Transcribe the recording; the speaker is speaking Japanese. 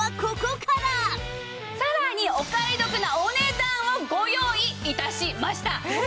さらにお買い得なお値段をご用意致しました。